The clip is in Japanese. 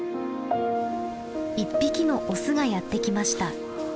１匹のオスがやって来ました。